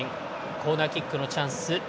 コーナーキックのチャンス。